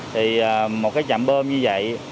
thì một cái chạm bơm như vậy